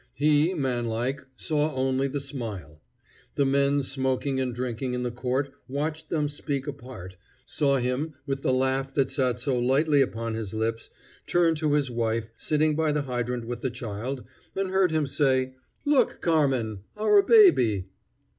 He, manlike, saw only the smile. The men smoking and drinking in the court watched them speak apart, saw him, with the laugh that sat so lightly upon his lips, turn to his wife, sitting by the hydrant with the child, and heard him say: "Look, Carmen! our baby!"